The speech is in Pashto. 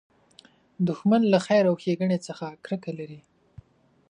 دښمن له خیر او ښېګڼې څخه کرکه لري